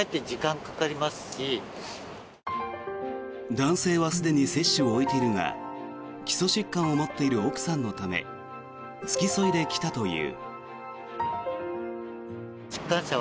男性はすでに接種を終えているが基礎疾患を持っている奥さんのため付き添いで来たという。